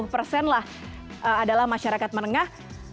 enam puluh persenlah adalah masyarakat menengah